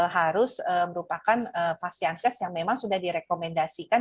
harus merupakan fasiankes yang memang sudah direkomendasikan